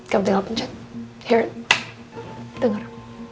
kamu tinggal pencet denger